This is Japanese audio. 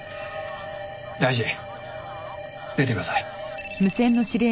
大臣出てください。